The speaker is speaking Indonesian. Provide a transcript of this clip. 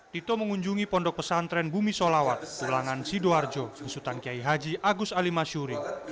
tito mengunjungi pondok pesantren bumi solawat tulangan sidoarjo besutan kiai haji agus ali masyuri